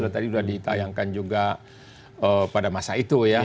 tadi sudah ditayangkan juga pada masa itu ya